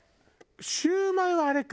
シュウマイはあれか。